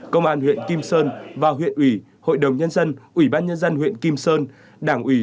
công an huyện kim sơn và huyện ủy hội đồng nhân dân ủy ban nhân dân huyện kim sơn đảng ủy